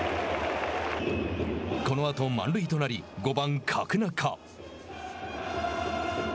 このあと、満塁となり５番角中。